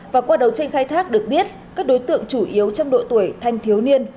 và qua đấu tranh khai thác được biết các đối tượng chủ yếu trong độ tuổi thanh thiếu niên